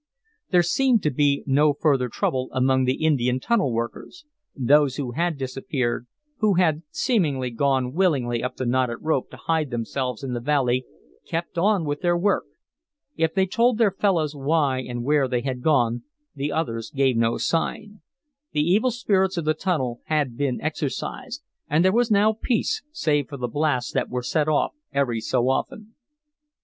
There seemed to be no further trouble among the Indian tunnel workers. Those who had disappeared who had, seemingly, gone willingly up the knotted rope to hide themselves in the valley kept on with their work. If they told their fellows why and where they had gone, the others gave no sign. The evil spirits of the tunnel had been exorcised, and there was now peace, save for the blasts that were set off every so often.